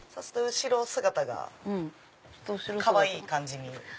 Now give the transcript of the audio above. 後ろ姿がかわいい感じに。